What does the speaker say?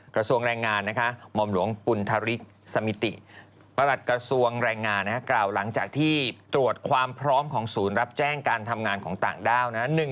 กระทรวงแรงงานนะคะหม่อมหลวงปุณธริกสมิติประหลัดกระทรวงแรงงานกล่าวหลังจากที่ตรวจความพร้อมของศูนย์รับแจ้งการทำงานของต่างด้าวนะ